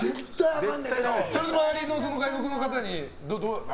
それで周りの外国の方に？